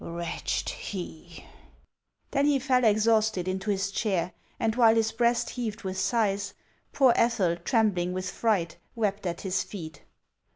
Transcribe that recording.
Wretched he!" Then he fell exhausted into his chair, and while his breast heaved with sighs, poor Ethel, trembling with fright, wept at his feet.